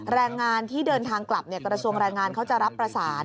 แรงงานที่เดินทางกลับกระทรวงแรงงานเขาจะรับประสาน